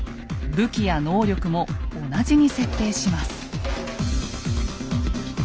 武器や能力も同じに設定します。